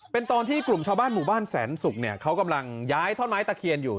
เป็นตอนที่กลุ่มชาวบ้านหมู่บ้านแสนศุกร์เนี่ยเขากำลังย้ายท่อนไม้ตะเคียนอยู่